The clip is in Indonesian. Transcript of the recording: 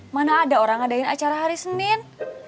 mana ada orang ngadain acara hari senin